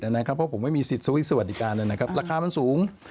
เพราะผมไม่มีสิทธิสวิตชสวัสดิการราคามันสูง